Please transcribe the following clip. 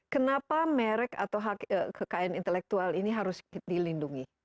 kenapa merek atau hak kekayaan intelektual ini harus dilindungi